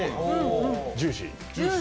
ジューシー。